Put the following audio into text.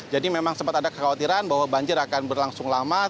jadi memang sempat ada kekhawatiran bahwa banjir akan berlangsung lama